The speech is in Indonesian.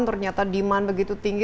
ternyata demand begitu tinggi